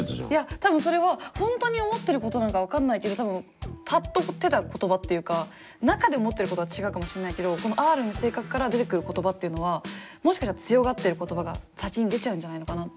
多分それは本当に思ってることなのか分かんないけど多分パッと出た言葉っていうか中で思ってることは違うかもしれないけどこのアーロイの性格から出てくる言葉っていうのはもしかしたら強がってる言葉が先に出ちゃうんじゃないのかなって